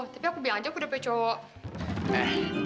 tapi aku bilang aja aku udah punya cowok